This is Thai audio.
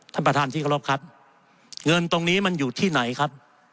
ท่านประธานที่เคารพครับเงินตรงนี้มันอยู่ที่ไหนครับ